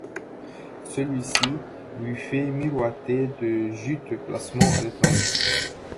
Celui-ci lui fait miroiter de juteux placements à l'étranger.